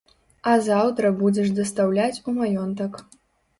А заўтра будзеш дастаўляць у маёнтак.